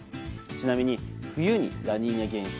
ちなみに、冬にラニーニャ現象